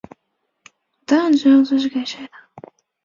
棕蚶是魁蛤目魁蛤科胡魁蛤属的一种。